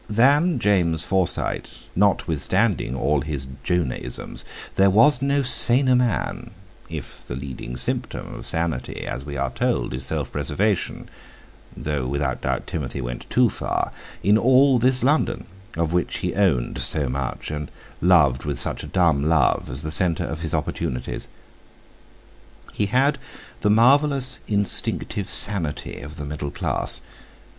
Than James Forsyte, notwithstanding all his "Jonah isms," there was no saner man (if the leading symptom of sanity, as we are told, is self preservation, though without doubt Timothy went too far) in all this London, of which he owned so much, and loved with such a dumb love, as the centre of his opportunities. He had the marvellous instinctive sanity of the middle class.